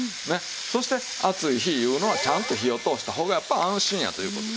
そして暑い日いうのはちゃんと火を通した方がやっぱり安心やという事で。